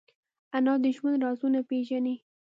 انا د ژوند رازونه پېژني